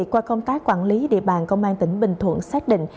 qua công tác quản lý địa bàn công an tỉnh bình thuận xác định